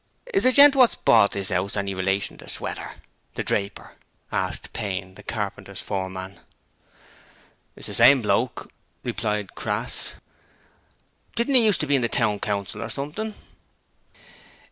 'Is the gent what's bought this 'ouse any relation to Sweater the draper?' asked Payne, the carpenter's foreman. 'It's the same bloke,' replied Crass. 'Didn't he used to be on the Town Council or something?'